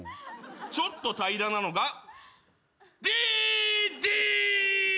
ちょっと平らなのがＤでぃー。